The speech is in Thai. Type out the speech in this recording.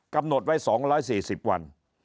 กำหนดไว้๒๔๐วัน